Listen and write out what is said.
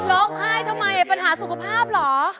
ร้องไห้ทำไมปัญหาสุขภาพเหรอ